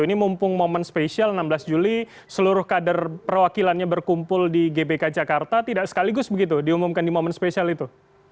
ini mumpung momen spesial enam belas juli seluruh kader perwakilannya berkumpul di gbk jakarta tidak sekaligus begitu diumumkan di momen spesial itu